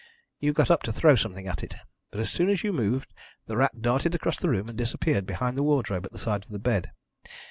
You got up to throw something at it, but as soon as you moved the rat darted across the room and disappeared behind the wardrobe at the side of the bed.